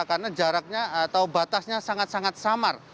karena jaraknya atau batasnya sangat sangat samar